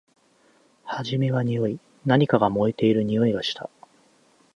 はじめはにおい。何かが燃えているにおいがした。